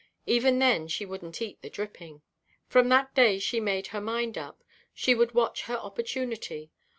Even then she wouldnʼt eat the dripping. From that day she made her mind up. She would watch her opportunity.